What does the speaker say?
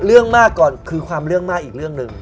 เรื่องมากก่อนคือความเรื่องมากอีกเรื่องหนึ่ง